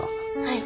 はい。